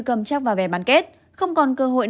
cầm chắc vào vẻ bán kết không còn cơ hội